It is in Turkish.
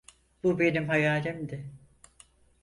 Bu benim hayalimdi.